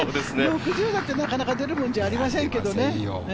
６０だってなかなか出るもんじゃありませんけどね。